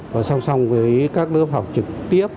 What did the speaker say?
và song song với các lớp học trực tiếp